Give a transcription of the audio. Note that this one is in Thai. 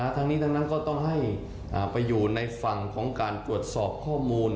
ทั้งนี้ทั้งนั้นก็ต้องให้ไปอยู่ในฝั่งของการตรวจสอบข้อมูล